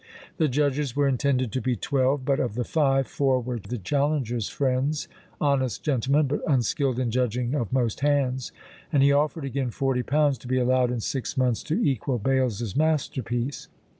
The judges were intended to be twelve; but of the five, four were the challenger's friends, honest gentlemen, but unskilled in judging of most hands; and he offered again forty pounds to be allowed in six months to equal Bales's masterpiece.